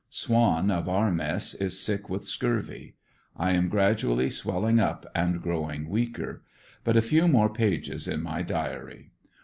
Swan, of our mess, is sick with scurvy. I am gradually swelling up and growing weaker. But a few more pages in my diary.